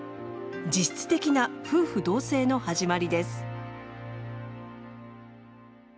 実質的な夫婦同姓の始まりです。